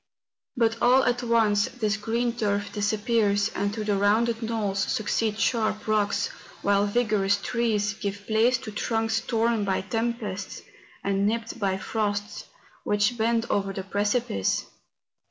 But all at once this green turf disappears, and to the rounded knolls succeed sharp rocks, while vigorous trees give place to trunks torn by tempests and nipped by frosts, which bend over the precipice.